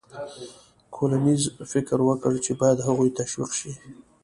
کولینز فکر وکړ چې باید هغوی تشویق شي.